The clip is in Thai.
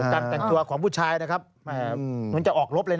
การแต่งตัวของผู้ชายนะครับเหมือนจะออกรบเลยนะ